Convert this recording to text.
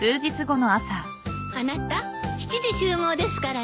あなた７時集合ですからね。